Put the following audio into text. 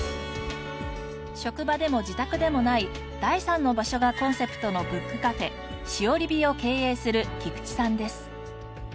職場でも自宅でもない第３の場所がコンセプトのブックカフェ栞日を経営する菊地さんです。